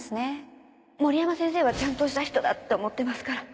森山先生はちゃんとした人だって思ってますから。